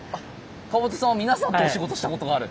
川端さんは皆さんとお仕事したことがある？